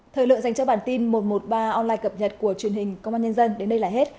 thời lượng dành cho bản tin một trăm một mươi ba online cập nhật của truyền hình công an nhân dân đến đây là hết